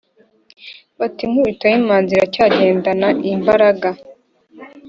Bati: “Nkubito y’imanzi Uracyagendana imbaraga?